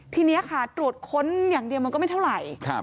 ทีนี้ค่ะตรวจค้นอย่างเดียวมันก็ไม่เท่าไหร่